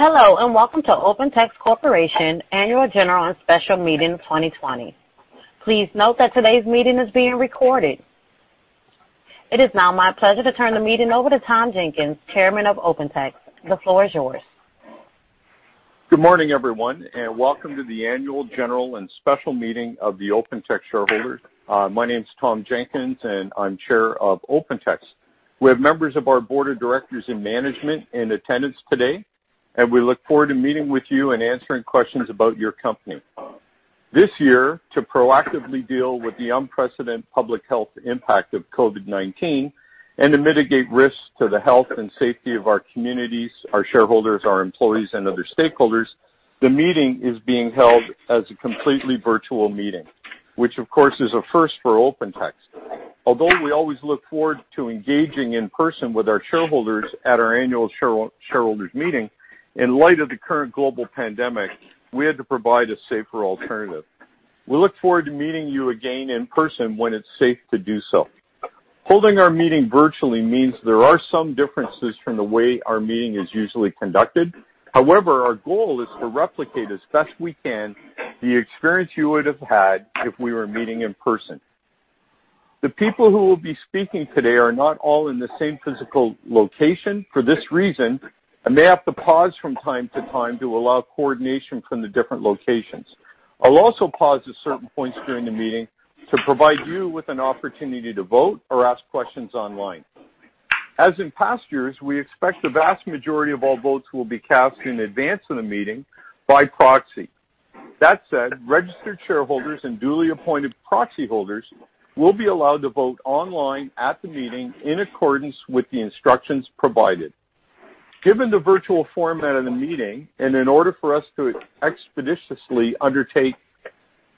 Hello, welcome to OpenText Corporation Annual General and Special Meeting 2020. Please note that today's meeting is being recorded. It is now my pleasure to turn the meeting over to Tom Jenkins, Chair of OpenText. The floor is yours. Good morning, everyone, and welcome to the Annual General and Special Meeting of the OpenText Shareholders. My name is Tom Jenkins, and I'm Chair of OpenText. We have members of our board of directors and management in attendance today, and we look forward to meeting with you and answering questions about your company. This year, to proactively deal with the unprecedented public health impact of COVID-19 and to mitigate risks to the health and safety of our communities, our shareholders, our employees, and other stakeholders, the meeting is being held as a completely virtual meeting, which of course, is a first for OpenText. Although we always look forward to engaging in person with our shareholders at our annual shareholders meeting, in light of the current global pandemic, we had to provide a safer alternative. We look forward to meeting you again in person when it's safe to do so. Holding our meeting virtually means there are some differences from the way our meeting is usually conducted. However, our goal is to replicate as best we can the experience you would have had if we were meeting in person. The people who will be speaking today are not all in the same physical location. For this reason, I may have to pause from time to time to allow coordination from the different locations. I'll also pause at certain points during the meeting to provide you with an opportunity to vote or ask questions online. As in past years, we expect the vast majority of all votes will be cast in advance of the meeting by proxy. That said, registered shareholders and duly appointed proxy holders will be allowed to vote online at the meeting in accordance with the instructions provided. Given the virtual format of the meeting, and in order for us to expeditiously undertake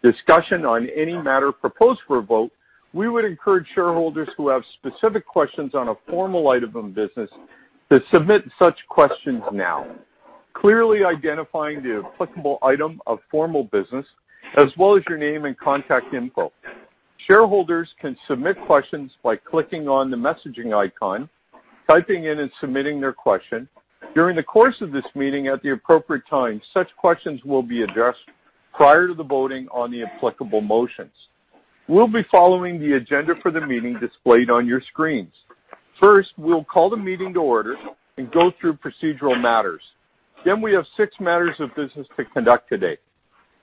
discussion on any matter proposed for a vote, we would encourage shareholders who have specific questions on a formal item of business to submit such questions now, clearly identifying the applicable item of formal business as well as your name and contact info. Shareholders can submit questions by clicking on the messaging icon, typing in, and submitting their question. During the course of this meeting at the appropriate time, such questions will be addressed prior to the voting on the applicable motions. We'll be following the agenda for the meeting displayed on your screens. First, we'll call the meeting to order and go through procedural matters. We have six matters of business to conduct today.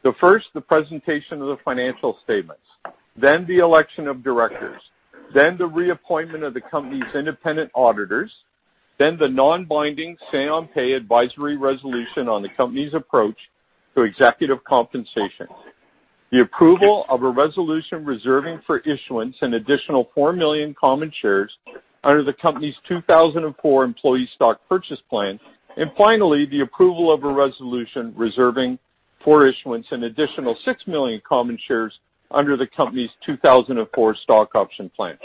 The first, the presentation of the financial statements, then the election of directors, then the reappointment of the company's independent auditors, then the non-binding say-on-pay advisory resolution on the company's approach to executive compensation, the approval of a resolution reserving for issuance an additional 4 million common shares under the company's 2004 Employee Stock Purchase Plan, and finally, the approval of a resolution reserving for issuance an additional 6 million common shares under the company's 2004 Stock Option Plan.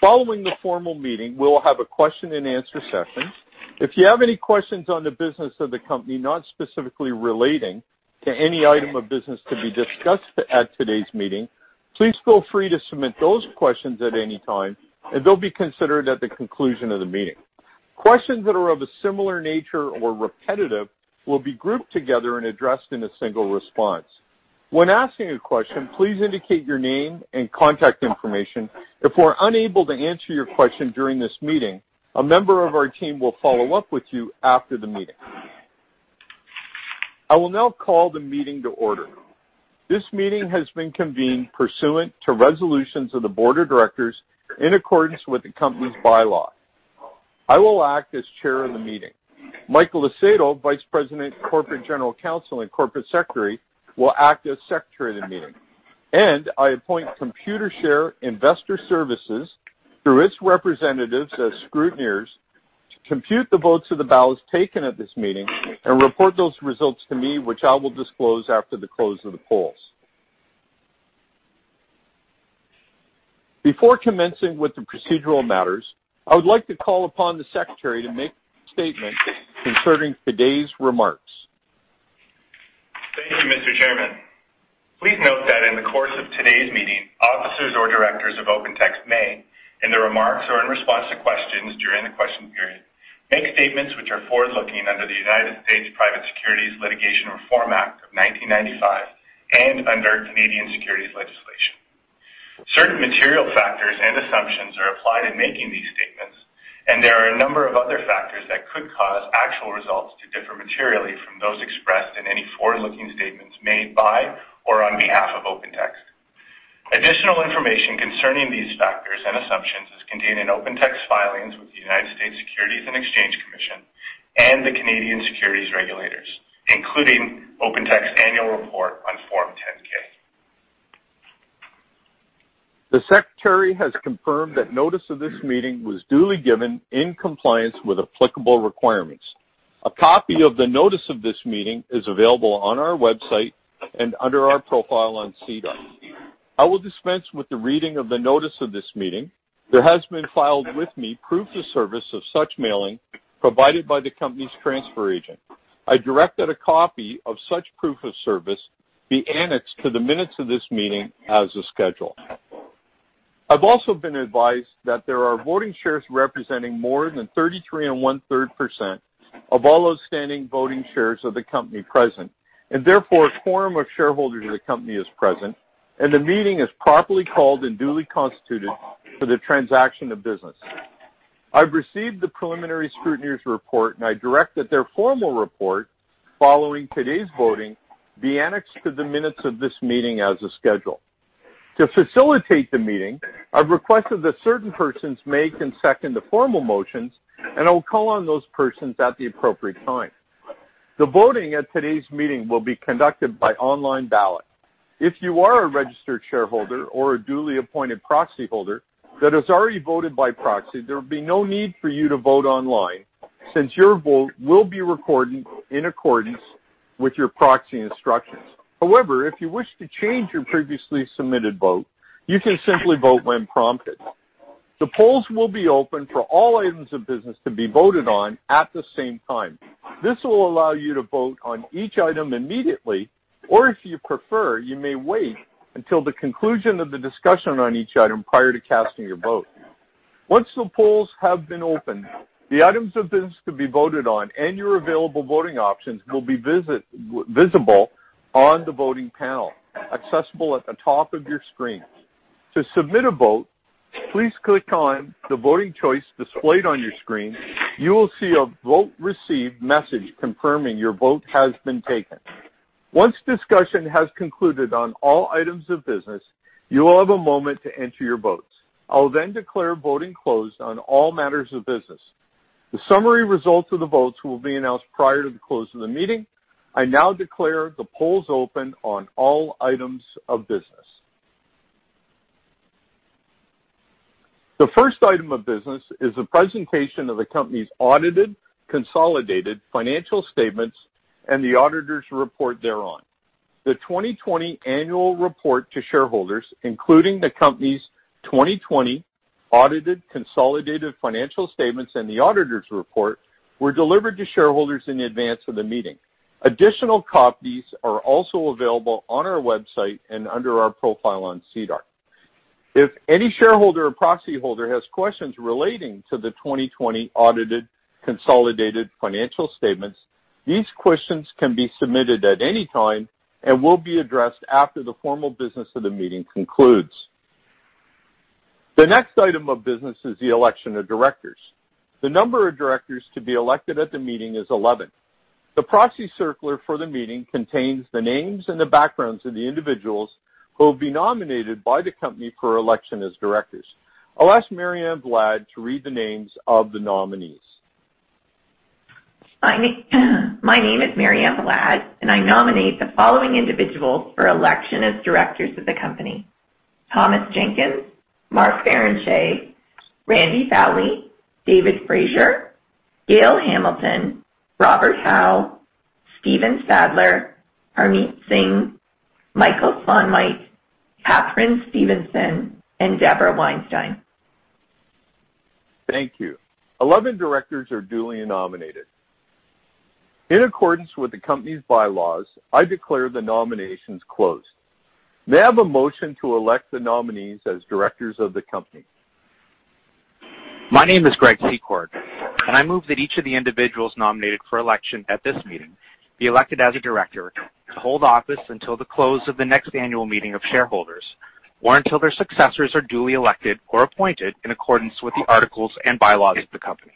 Following the formal meeting, we'll have a question-and-answer session. If you have any questions on the business of the company not specifically relating to any item of business to be discussed at today's meeting, please feel free to submit those questions at any time, and they'll be considered at the conclusion of the meeting. Questions that are of a similar nature or repetitive will be grouped together and addressed in a single response. When asking a question, please indicate your name and contact information. If we're unable to answer your question during this meeting, a member of our team will follow up with you after the meeting. I will now call the meeting to order. This meeting has been convened pursuant to resolutions of the board of directors in accordance with the company's bylaws. I will act as chair of the meeting. Michael Lucido, Vice President, Corporate General Counsel, and Corporate Secretary, will act as secretary of the meeting. I appoint Computershare Investor Services, through its representatives as scrutineers, to compute the votes of the ballots taken at this meeting and report those results to me, which I will disclose after the close of the polls. Before commencing with the procedural matters, I would like to call upon the secretary to make a statement concerning today's remarks. Thank you, Mr. Chairman. Please note that in the course of today's meeting, officers or directors of OpenText may, in the remarks or in response to questions during the question period, make statements which are forward-looking under the United States Private Securities Litigation Reform Act of 1995 and under Canadian securities legislation. Certain material factors and assumptions are applied in making these statements, and there are a number of other factors that could cause actual results to differ materially from those expressed in any forward-looking statements made by or on behalf of OpenText. Additional information concerning these factors and assumptions is contained in OpenText's filings with the United States Securities and Exchange Commission and the Canadian securities regulators, including OpenText's annual report on Form 10-K. The secretary has confirmed that notice of this meeting was duly given in compliance with applicable requirements. A copy of the notice of this meeting is available on our website and under our profile on SEDAR. I will dispense with the reading of the notice of this meeting. There has been filed with me proof of service of such mailing provided by the company's transfer agent. I direct that a copy of such proof of service be annexed to the minutes of this meeting as a schedule. I've also been advised that there are voting shares representing more than 33 and one-third% of all outstanding voting shares of the company present, and therefore a quorum of shareholders of the company is present, and the meeting is properly called and duly constituted for the transaction of business. I've received the preliminary scrutineer's report, and I direct that their formal report following today's voting be annexed to the minutes of this meeting as a schedule. To facilitate the meeting, I've requested that certain persons make and second the formal motions, and I will call on those persons at the appropriate time. The voting at today's meeting will be conducted by online ballot. If you are a registered shareholder or a duly appointed proxyholder that has already voted by proxy, there will be no need for you to vote online since your vote will be recorded in accordance with your proxy instructions. However, if you wish to change your previously submitted vote, you can simply vote when prompted. The polls will be open for all items of business to be voted on at the same time. This will allow you to vote on each item immediately, or if you prefer, you may wait until the conclusion of the discussion on each item prior to casting your vote. Once the polls have been opened, the items of business to be voted on and your available voting options will be visible on the voting panel, accessible at the top of your screen. To submit a vote, please click on the voting choice displayed on your screen. You will see a vote received message confirming your vote has been taken. Once discussion has concluded on all items of business, you will have a moment to enter your votes. I will then declare voting closed on all matters of business. The summary results of the votes will be announced prior to the close of the meeting. I now declare the polls open on all items of business. The first item of business is a presentation of the company's audited, consolidated financial statements and the auditors' report thereon. The 2020 annual report to shareholders, including the company's 2020 audited consolidated financial statements, and the auditors' report, were delivered to shareholders in advance of the meeting. Additional copies are also available on our website and under our profile on SEDAR. If any shareholder or proxyholder has questions relating to the 2020 audited consolidated financial statements, these questions can be submitted at any time and will be addressed after the formal business of the meeting concludes. The next item of business is the election of directors. The number of directors to be elected at the meeting is 11. The proxy circular for the meeting contains the names and the backgrounds of the individuals who have been nominated by the company for election as directors. I'll ask Mary Ann Valad to read the names of the nominees. My name is Mary Ann Valad, and I nominate the following individuals for election as directors of the company: Thomas Jenkins, Mark Barrenechea, Randy Fowlie, David Fraser, Gail Hamilton, Robert Hau, Stephen Sadler, Harmit Singh, Michael Slaunwhite, Katharine Stevenson, and Deborah Weinstein. Thank you. 11 directors are duly nominated. In accordance with the company's bylaws, I declare the nominations closed. May I have a motion to elect the nominees as directors of the company? My name is Greg Secord. I move that each of the individuals nominated for election at this meeting be elected as a director to hold office until the close of the next annual meeting of shareholders, or until their successors are duly elected or appointed in accordance with the articles and bylaws of the company.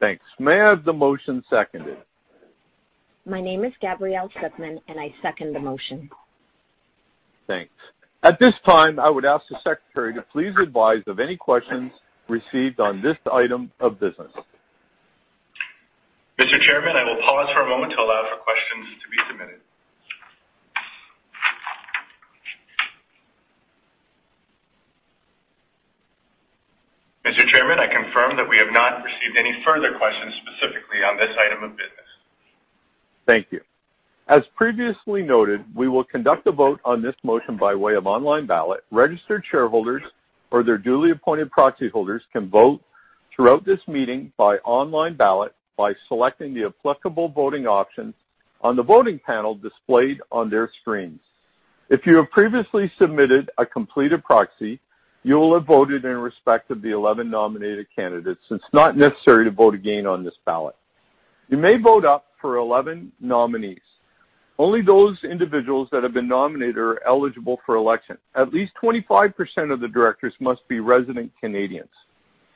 Thanks. May I have the motion seconded? My name is Gabrielle Sukman, and I second the motion. Thanks. At this time, I would ask the secretary to please advise of any questions received on this item of business. Mr. Chairman, I will pause for a moment to allow for questions to be submitted. Mr. Chairman, I confirm that we have not received any further questions specifically on this item of business. Thank you. As previously noted, we will conduct a vote on this motion by way of online ballot. Registered shareholders or their duly appointed proxyholders can vote throughout this meeting by online ballot by selecting the applicable voting option on the voting panel displayed on their screens. If you have previously submitted a completed proxy, you will have voted in respect of the 11 nominated candidates, so it is not necessary to vote again on this ballot. You may vote up for 11 nominees. Only those individuals that have been nominated are eligible for election. At least 25% of the directors must be resident Canadians.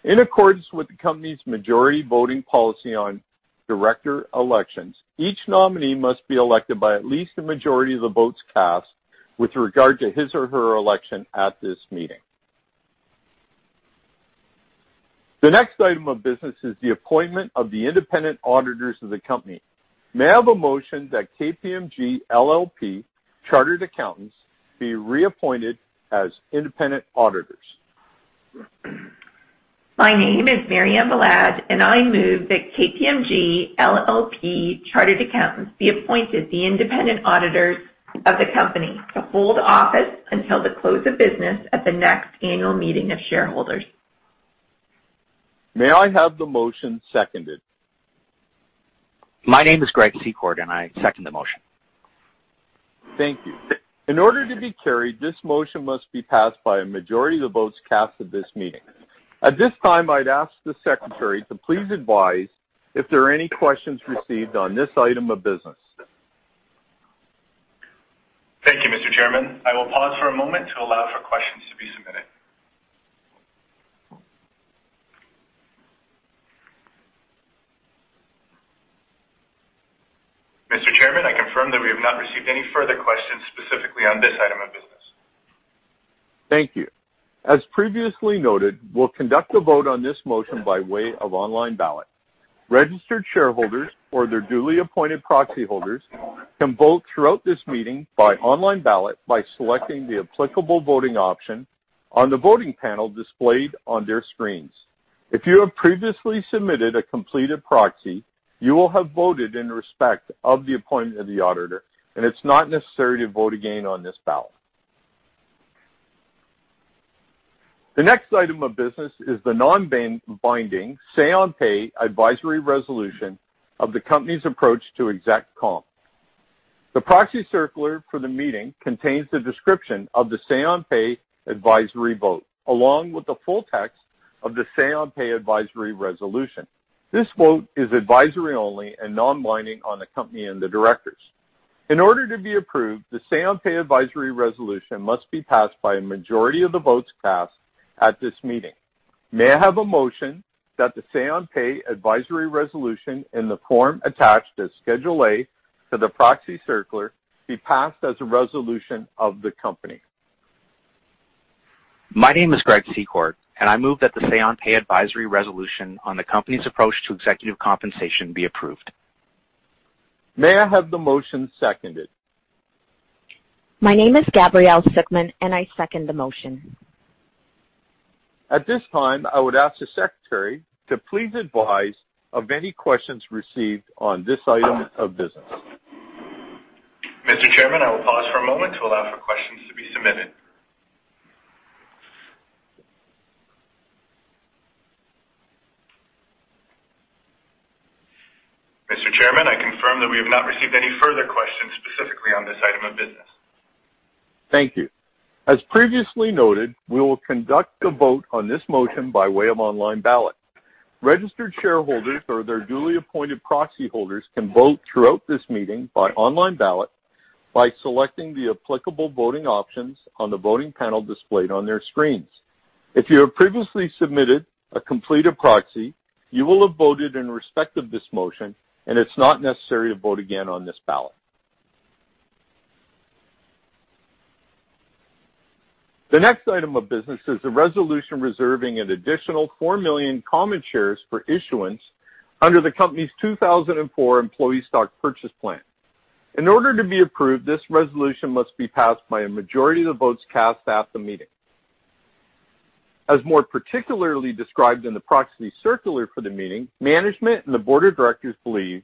In accordance with the company's majority voting policy on director elections, each nominee must be elected by at least a majority of the votes cast with regard to his or her election at this meeting. The next item of business is the appointment of the independent auditors of the company. May I have a motion that KPMG LLP Chartered Accountants be reappointed as independent auditors? My name is Mary Ann Valad. I move that KPMG LLP Chartered Accountants be appointed the independent auditors of the company to hold office until the close of business at the next annual meeting of shareholders. May I have the motion seconded? My name is Greg Secord, and I second the motion. Thank you. In order to be carried, this motion must be passed by a majority of the votes cast at this meeting. At this time, I'd ask the secretary to please advise if there are any questions received on this item of business. Thank you, Mr. Chairman. I will pause for a moment to allow for questions to be submitted. Mr. Chairman, I confirm that we have not received any further questions specifically on this item of business. Thank you. As previously noted, we'll conduct a vote on this motion by way of online ballot. Registered shareholders or their duly appointed proxy holders can vote throughout this meeting by online ballot by selecting the applicable voting option on the voting panel displayed on their screens. If you have previously submitted a completed proxy, you will have voted in respect of the appointment of the auditor, and it's not necessary to vote again on this ballot. The next item of business is the non-binding say-on-pay advisory resolution of the company's approach to exec comp. The proxy circular for the meeting contains the description of the say-on-pay advisory vote, along with the full text of the say-on-pay advisory resolution. This vote is advisory only and non-binding on the company and the directors. In order to be approved, the say-on-pay advisory resolution must be passed by a majority of the votes cast at this meeting. May I have a motion that the say-on-pay advisory resolution in the form attached as Schedule A to the proxy circular be passed as a resolution of the company? My name is Greg Secord, and I move that the say-on-pay advisory resolution on the company's approach to executive compensation be approved. May I have the motion seconded? My name is Gabrielle Sukman, and I second the motion. At this time, I would ask the secretary to please advise of any questions received on this item of business. Mr. Chairman, I will pause for a moment to allow for questions to be submitted. Mr. Chairman, I confirm that we have not received any further questions specifically on this item of business. Thank you. As previously noted, we will conduct a vote on this motion by way of online ballot. Registered shareholders or their duly appointed proxy holders can vote throughout this meeting by online ballot by selecting the applicable voting options on the voting panel displayed on their screens. If you have previously submitted a completed proxy, you will have voted in respect of this motion, and it's not necessary to vote again on this ballot. The next item of business is a resolution reserving an additional 4 million common shares for issuance under the company's 2004 Employee Stock Purchase Plan. In order to be approved, this resolution must be passed by a majority of the votes cast at the meeting. As more particularly described in the proxy circular for the meeting, management and the board of directors believe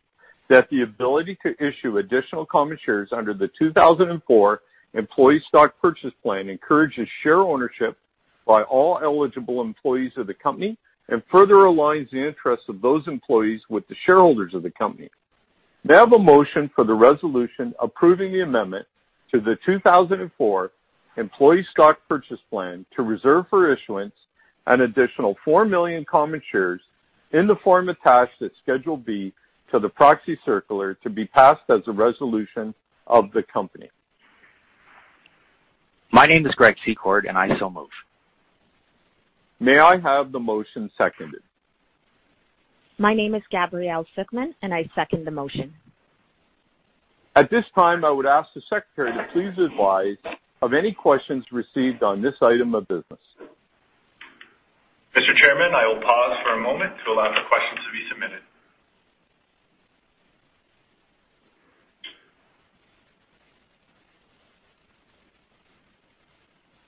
that the ability to issue additional common shares under the 2004 Employee Stock Purchase Plan encourages share ownership by all eligible employees of the company and further aligns the interests of those employees with the shareholders of the company. May I have a motion for the resolution approving the amendment to the 2004 Employee Stock Purchase Plan to reserve for issuance an additional 4 million common shares in the form attached at Schedule B to the proxy circular to be passed as a resolution of the company. My name is Greg Secord, and I so move. May I have the motion seconded? My name is Gabrielle Sukman, and I second the motion. At this time, I would ask the secretary to please advise of any questions received on this item of business. Mr. Chairman, I will pause for a moment to allow for questions to be submitted.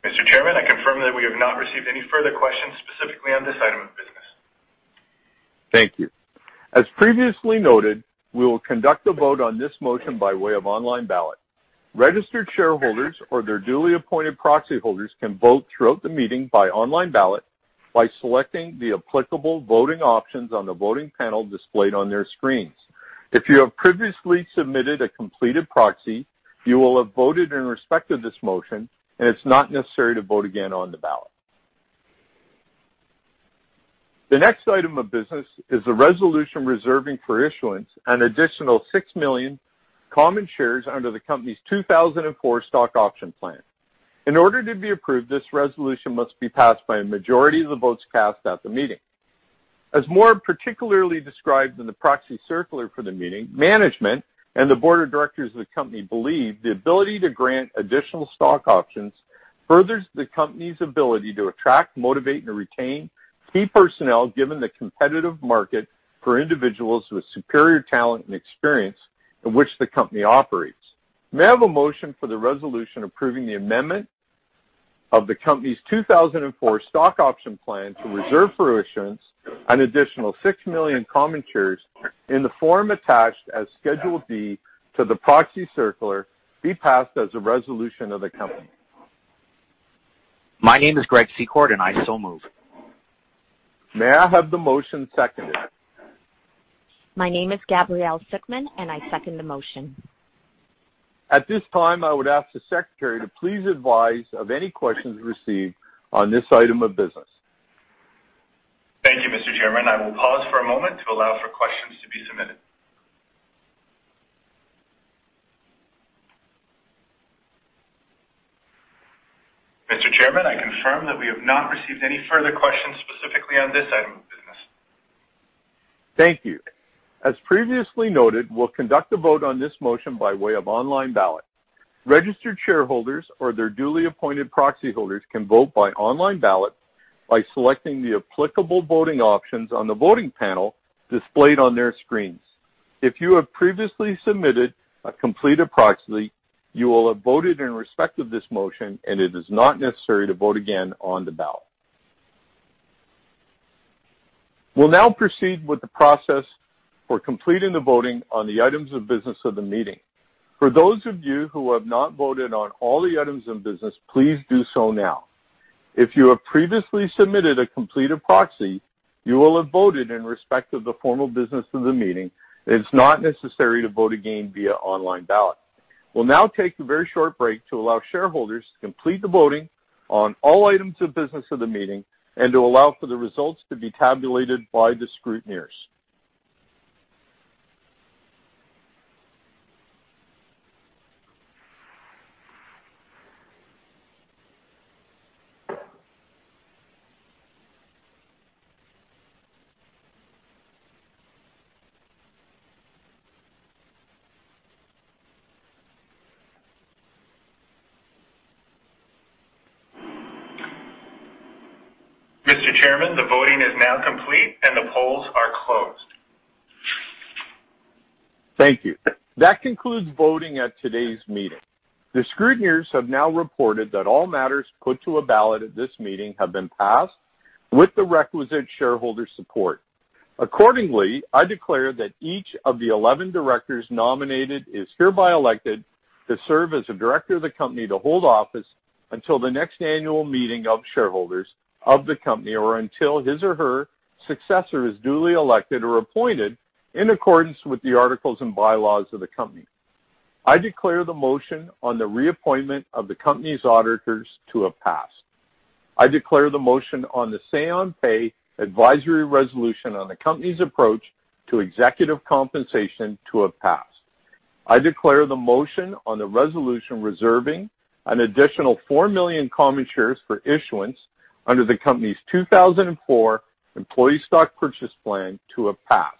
Mr. Chairman, I confirm that we have not received any further questions specifically on this item of business. Thank you. As previously noted, we will conduct a vote on this motion by way of online ballot. Registered shareholders or their duly appointed proxy holders can vote throughout the meeting by online ballot by selecting the applicable voting options on the voting panel displayed on their screens. If you have previously submitted a completed proxy, you will have voted in respect of this motion, and it is not necessary to vote again on the ballot. The next item of business is a resolution reserving for issuance an additional 6 million common shares under the company's 2004 Stock Option Plan. In order to be approved, this resolution must be passed by a majority of the votes cast at the meeting. As more particularly described in the proxy circular for the meeting, management and the board of directors of the company believe the ability to grant additional stock options furthers the company's ability to attract, motivate, and retain key personnel, given the competitive market for individuals with superior talent and experience in which the company operates. May I have a motion for the resolution approving the amendment of the company's 2004 Stock Option Plan to reserve for issuance an additional 6 million common shares in the form attached as Schedule D to the proxy circular be passed as a resolution of the company My name is Greg Secord, and I so move. May I have the motion seconded? My name is Gabrielle Sukman, and I second the motion. At this time, I would ask the secretary to please advise of any questions received on this item of business. Thank you, Mr. Chairman. I will pause for a moment to allow for questions to be submitted. Mr. Chairman, I confirm that we have not received any further questions specifically on this item of business. Thank you. As previously noted, we'll conduct a vote on this motion by way of online ballot. Registered shareholders or their duly appointed proxy holders can vote by online ballot by selecting the applicable voting options on the voting panel displayed on their screens. If you have previously submitted a completed proxy, you will have voted in respect of this motion, and it is not necessary to vote again on the ballot. We'll now proceed with the process for completing the voting on the items of business of the meeting. For those of you who have not voted on all the items of business, please do so now. If you have previously submitted a completed proxy, you will have voted in respect of the formal business of the meeting, and it's not necessary to vote again via online ballot. We'll now take a very short break to allow shareholders to complete the voting on all items of business of the meeting and to allow for the results to be tabulated by the scrutineers. Mr. Chairman, the voting is now complete, and the polls are closed. Thank you. That concludes voting at today's meeting. The scrutineers have now reported that all matters put to a ballot at this meeting have been passed with the requisite shareholder support. Accordingly, I declare that each of the 11 directors nominated is hereby elected to serve as a director of the company to hold office until the next annual meeting of shareholders of the company or until his or her successor is duly elected or appointed in accordance with the articles and bylaws of the company. I declare the motion on the reappointment of the company's auditors to have passed. I declare the motion on the say-on-pay advisory resolution on the company's approach to executive compensation to have passed. I declare the motion on the resolution reserving an additional four million common shares for issuance under the company's 2004 Employee Stock Purchase Plan to have passed.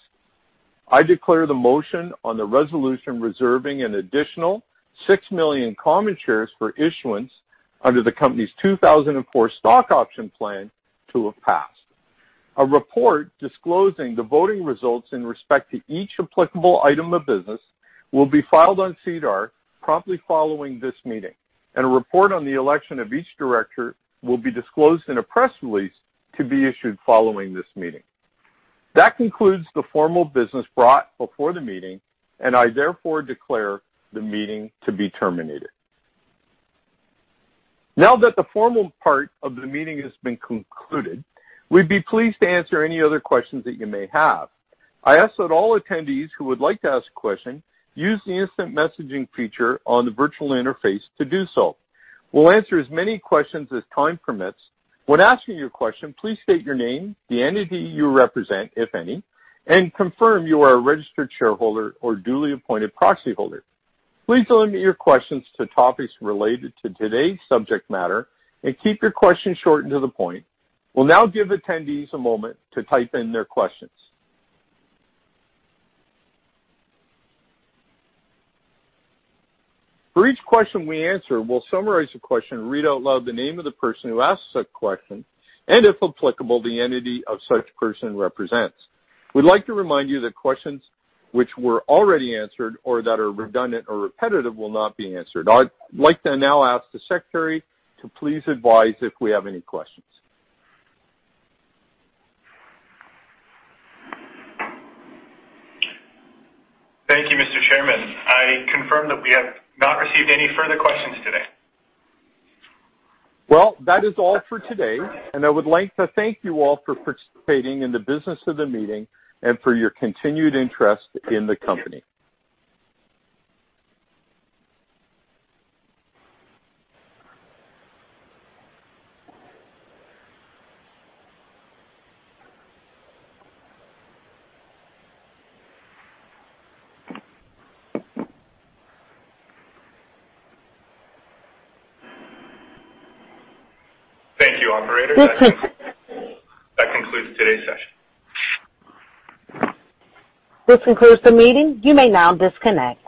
I declare the motion on the resolution reserving an additional 6 million common shares for issuance under the company's 2004 Stock Option Plan to have passed. A report disclosing the voting results in respect to each applicable item of business will be filed on SEDAR promptly following this meeting, and a report on the election of each director will be disclosed in a press release to be issued following this meeting. That concludes the formal business brought before the meeting, and I therefore declare the meeting to be terminated. Now that the formal part of the meeting has been concluded, we'd be pleased to answer any other questions that you may have. I ask that all attendees who would like to ask a question use the instant messaging feature on the virtual interface to do so. We'll answer as many questions as time permits. When asking your question, please state your name, the entity you represent, if any, and confirm you are a registered shareholder or duly appointed proxy holder. Please limit your questions to topics related to today's subject matter and keep your questions short and to the point. We'll now give attendees a moment to type in their questions. For each question we answer, we'll summarize the question, read out loud the name of the person who asked such question, and if applicable, the entity of such person represents. We'd like to remind you that questions which were already answered or that are redundant or repetitive will not be answered. I'd like to now ask the secretary to please advise if we have any questions? Thank you, Mr. Chairman. I confirm that we have not received any further questions today. That is all for today, and I would like to thank you all for participating in the business of the meeting and for your continued interest in the company. Thank you, operator. That concludes today's session. This concludes the meeting. You may now disconnect.